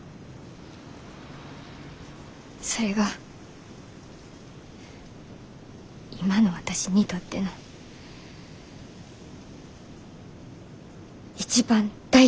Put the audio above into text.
それが今の私にとっての一番大事なことや。